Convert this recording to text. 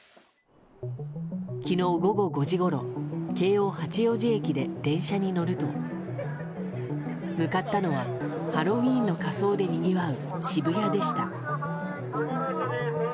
昨日午後５時ごろ京王八王子駅で電車に乗ると向かったのはハロウィーンの仮装でにぎわう渋谷でした。